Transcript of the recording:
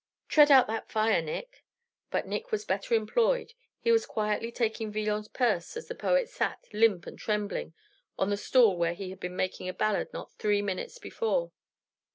"Tread out that fire, Nick." But Nick was better employed; he was quietly taking Villon's purse, as the poet sat, limp and trembling, on the stool where he had been making a ballade not three minutes before.